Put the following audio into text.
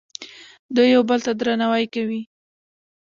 دوی یو بل ته درناوی کوي.